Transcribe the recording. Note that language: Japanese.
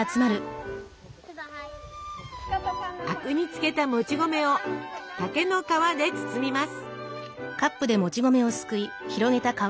灰汁につけたもち米を竹の皮で包みます。